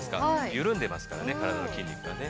緩んでますからね、体の筋肉がね。